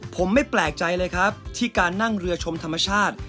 ผมไม่แปลกใจเลยครับที่การนั่งเรือชมธรรมชาติ